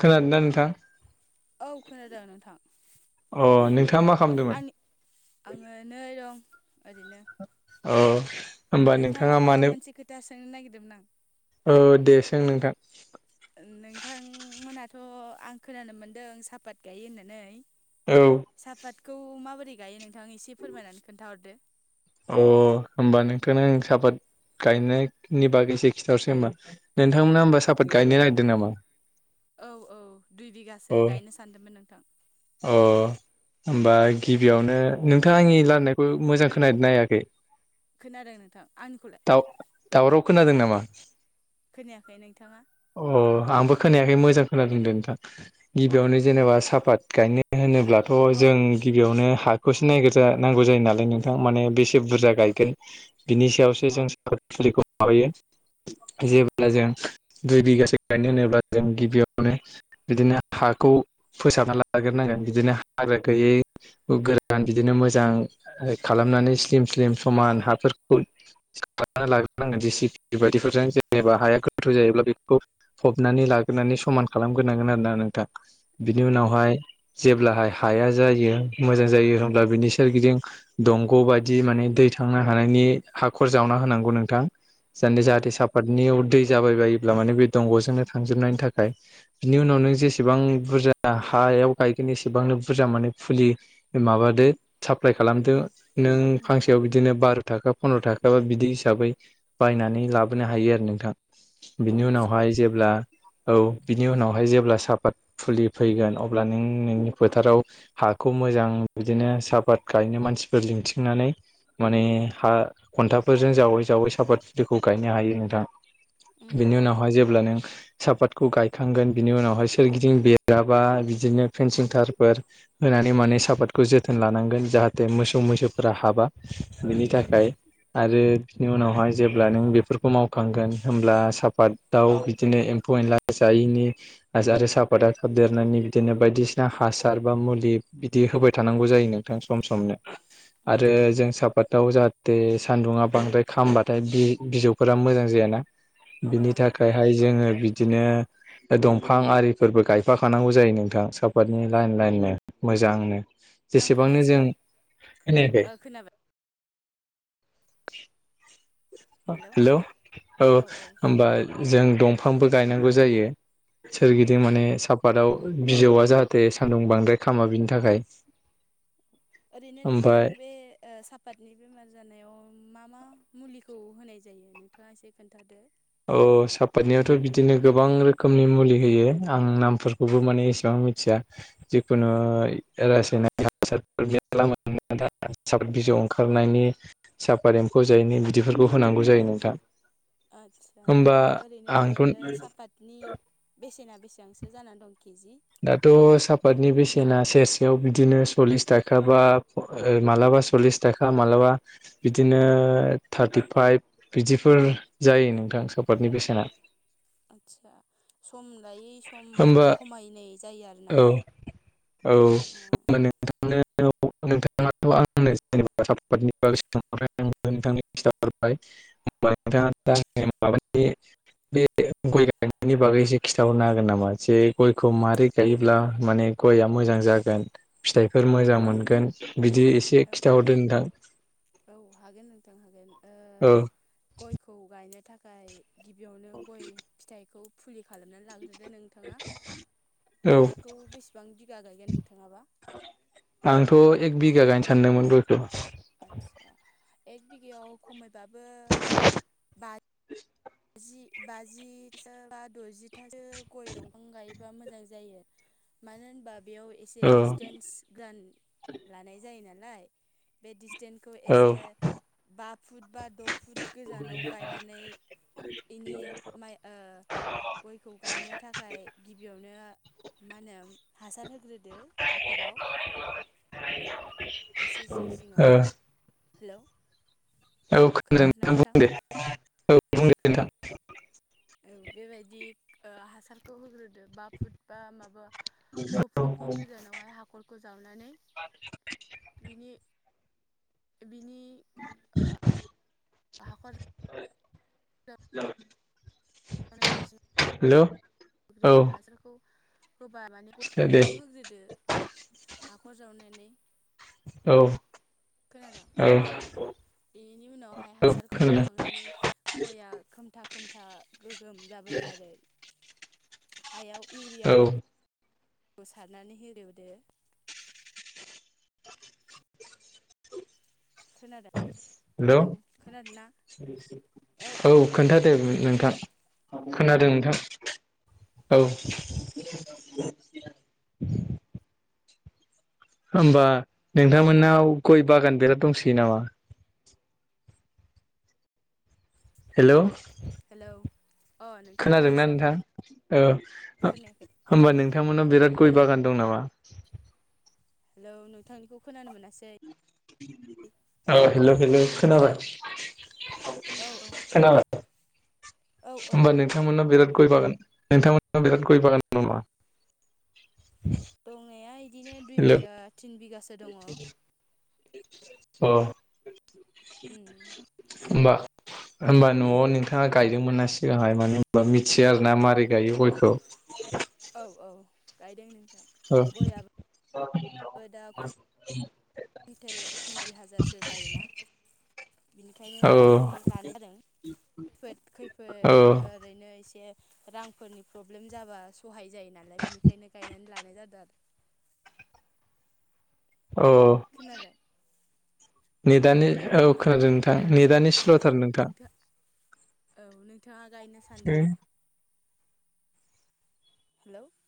खोनादों ना नोंथां औ खोनादों नोंथां अ नोंथाङा मा खालामदों आंनि आङो नै दं ओरैनो औ नोंथांनाव माबा मोनसे खोथा सोंनो नागिरदोंमोन आं औ दे सों नोंथां नोंथांमोनाथ' आं खोनानो मोनदों सापात गायो होननानै औ सापातखौ माबोरै गायो नोंथां एसे फोरमायनानै खोन्थाहरदो अ होमबा नोंथांनो आं साहापात गायनायनि बागैसे खिन्थाहरसै होम्बा औ नोंथांमोना होमबा सापात गायनो नागिरदों नामा औ औ दुइ बिगासो अ गायनो सानदोंमोन नोंथां अ होमबा गिबियावनो नोंथाङा आंनि लायरायनायखौ मोजां खोननायाखै खोनादों नोंथां आंनिखौलाय ददावराव खोनादों नामा खोनायाखै नोंथाङा अ आंबो खोनायाखै मोजां खोनादोंदे नोंथां ए गिबियावनो जेनेबा साफात गायनो महोनोब्लाथ' जों गिबियावनो हाखौसो नायगिरज नांगौ जायो नालाय नोंथां माने बेसे से बुरजा गायगोन बिनि सायावसो जों साहा फुलिखौ माबायो औ जेब्ला जों दुइ बिगासो गायनो होनोब्ला जों गिबियावनो बिदिनो हाखौ फोसाबना लाग्रोनांगोन बिदिनो हाग्रा गैयै गोरान बिदिनो मोजां खालामनानै स्लिम स्लिम समान हाफोरखौ खालामना लाग्रोनांगोन जेसिबि बायदिफोरजों जेनेबा हाया गोथौ जायोब्ला बेफोरखौ फबनानै लाग्रोनानै समान खालामग्रोनांगोन आरोना नोंथां बिनि औ उनावहाय जेब्लाहाय हाया जायो मोजां जायो होमब्ला बिनि सोरगिदिं दंग' बायदि माने दै थांनो हानायनि हाखर जावना होनांगौ नोंथां जे औ जाहाथे साफ नियाव दै जाबाय बायोब्ला माने बे दंग'जोंनो थांजोबनायनि थाखाय बिनि उनाव नों जेसेबां बुरजा हायाव गायगोन एसेबांनो बुरजा माने फुलि माबादो साप्लाय खालामदो उम नों उम फांसेआव बिदिनो बार' थाखा फन्द्र' थाखा बा बिदि हिसाबै बायनानै उम लाबोनो हायो आरो नोंथां बिनि आतसा उनावहाय जेब्ला औ बिनि उनावहाय जेब्ला सापात फुलि फैगोन अब्ला नों नोंनि फोथाराव हाखौ मोजां बिदिनो साहापात गायनो मानसिफोर लिंथिंनानै माने हा खन्थाफोरजों जावै जावै साफातखौ गायनो हायो नोंथां उम बेनि उम उनावहाय जेब्ला नों सापातखौ गायखांगोन बिनि उनावहाय सोरगिदिं बेराबा बिदिनो फेनसिं थारफोर होनानै माने सापादखौ जोथोन लानांगोन जाहाथे मोसौ मैसोफोरा हाबा बिनि उम थाखाय आरो बिनि उनावहाय जेब्ला नों बेफोरखौ मावखांगोन होमब्ला साफात दाव बिदिनो एम्फौ एनला जायनि आजा आरो साफादा थाब देरनायनि बिदिनो बायदिसिना हासार बा मुलि बिदि होबाय थानांगौ जायो नों थां सम समनो [unintelligible] आरो जों सापाताव जाहाथे सानदुङा बांद्राय खामबाथाय बे बिजौफोरा मोजां जायाना ओ बिनि थाखायहाय जोङो बिदिनो दंफां आरिफोरबो गायफाखानांगौ जायो नोंथां सापातनि लाइन लाइननो मोजांनो नोंथां जेसेबांनो खोनायासै जों। खोनायाखै ओ खोनाबाय हेलौ हेल' औ औ ओ होमबा जों दंफांबो गायनांगौ जायो। सोरगिदिं माने साफातआव बिजौआ जाहाथे सान्दुं बांद्राय खामा बिनि थाखाय। ओरैनो नोंथां ओमफ्राय बे ओ सा पाटनि बेमार जानायाव मा मा मुलिखौ होनाय जायो नोंथाङा एसे खोन्थादो। अ सापातनियावथ' बिदिनो गोबां रोखोमनि मुलि होयो आं नामफोरखौबो माने एसेबां मिथिया। जिखुनु रासायनारि हासारफोर [unintelligible] दा साद बिजौ ओंखारनायनि सापात एम्फौ जायैनि बिदिफोरखौ होनांगौ जायो नोंथां। आदसा होमबा ओरैनो आंथ' दायो सापात नि बेसेना बेसेबांसो जानानै दं केजि? दाथ' सापातनि बेसेना सेरसेयाव बिदिनो सल्लिस थाखा बा ओ मालाबा सल्लिस थाखा मालाबा बिदिनो थार्टिफाइभ बिदिफोर जायो नोंथां सापर्टनि बेसेना। आतसा सम लायै सम होमबा खमायनाय जायो आरोना। औ औ ओ [unintelligible] [inaudible] [inaudible] गय गायनायनि बागै एसे खिथाहरनो हागो गोन नामा जे गयखौ मारै गायोब्ला माने गयआ मोजां जागोन। फिथाइफोर मोजां आदसा मोनगोन बिदि एसे औ खिथाहरदो नोंथां। औ हागोन नोंथां हागोन ओ औ गयखौ गायनो थाखाय गिबियावनो गय फिथाइखौ फुलि खालामनानै लाग्रोदो नोंथाङा औ हाखौ बेसेबां बिगा गायगोन नोंथाङाबा? आंथ' एक बिगा गायनो सानदोंमोन गयखौ आदसा एक बिगायाव खमैबाबो बा [unintelligible] जि बाजिथा बा द'जिथासो गय दंफां गाय बा मोजां जायो मानो होनबा बेयाव एसे औ डिसटेन्स गान लानाय जायो नालाय बे डिसटेन्सखौ औ एसे बा फुट बा द' फुट गोजानाव गायनानै इनि माइ ओ गयखौ गायनो थाखाय गिबियावनो माहोनो हासार होग्रोदो हाखराव एसे जिं जिङाव ओ हेलौ औ खोनादों नोंथां बुं दे औ बुंदे नोंथां औ बेबायदि ओ हासारखौ होग्रोदो बा फुट बा माबा द' फुटनि गोजानावहाय हाखरखौ जावनानै बिनि बिनि [unintelligible] हाखर [unintelligible] हेलौ [inaudible] औ होग्रोदो हासारखौ होबा माने खिथा दे फोरखौ होग्रोदो हाखर जावनानै औ। खोनादों औ उम बेनि उनावहाय औ हासारखौ खोनादों होखांनानै गया खोमथा खोमथा गोगोम जाबोयो आरो। हायाव औ इउरियाफोरखौ सारनानै हेवदो खोनादों? हेल' औ खोनादों ना औ खोन्था दे नोंथां खोनादों खोनादों नोंथां औ होमबा नोंथांमोननाव गय बागान बिराद दंसोयो नामा? हेल' हेलौ अ नोंथांना खोनादोंना एसे नोंथां प्रब्लेम औ खोनायाखै होमबा नोंथांमोननाव बिराद गय बागान दं नामा? हेलौ नोंथांनिखौ खोनानो मोनासै। औ हेल' हेल' खोनाबाय? औ औ। खोनबाय। औ औ होमबानो नोंथांमोना बिराद गय बागान नोंथांमोना बिराद गय बागान दं नामा? दंनाया इदिनो दुइ हेल' बिगा थिन बिगासो दंङ। अ [unintelligible] होमबा होमबा न'आव नोंथाङा गायदोंमोन ना सिगांहाय माने होनबा मिथियो आरो ना माबारै गायो गयखौ। औ औ गायदों नों औ। [unintelligible] कुन्टेल कुन्टेल दुइ हाजारसो जायो ना। बिनिखायनो औ गायनानै लानाय जादों फोद औ खैफोद ओ ओरैनो एसे रांफोरनि प्रब्लेम जाबा सहाय जायो नालाय बिनिखायनो गायनानै लानाय जादों आरो। औ औ। खोनादों निदानि औ नोंथाङाबो खोनादों नोंथां निदानि स्ल'थार नोंथां। औ नोंथाङा गायनो सानदों नामा? हेल'।